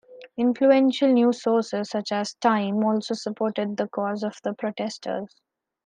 Influential news sources such as "Time" also supported the cause of the protestors.